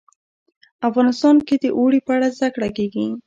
افغانستان کې د اوړي په اړه زده کړه کېږي.